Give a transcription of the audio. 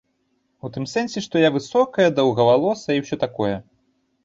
У тым сэнсе, што я высокая, доўгавалосая і ўсё такое.